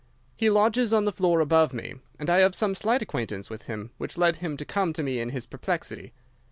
"He lodges on the floor above me, and I have some slight acquaintance with him, which led him to come to me in his perplexity.